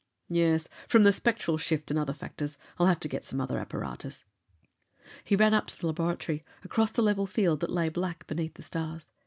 "Yes. From the spectral shift and other factors. I'll have to get some other apparatus." He ran up to the laboratory, across the level field that lay black beneath the stars.